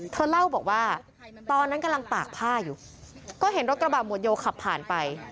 เธอเล่าบอกว่าตอนนั้นกำลังตากผ้าอยู่ก็เห็นรถกระบะหมวดโยขับผ่านไป